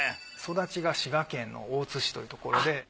育ちが滋賀県の大津市というところで。